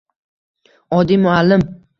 Oddiy muallim!